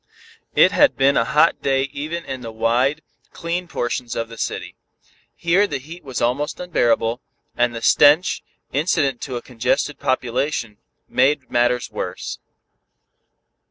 It had been a hot day even in the wide, clean portions of the city. Here the heat was almost unbearable, and the stench, incident to a congested population, made matters worse.